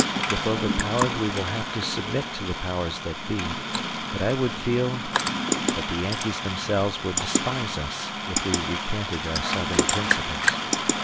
If overpowered we will have to submit to the powers that be, but I would feel that the Yankees themselves would despise us, if we recanted our Southern principles.